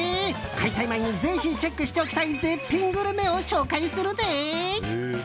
開催前にぜひチェックしておきたい絶品グルメを紹介するで。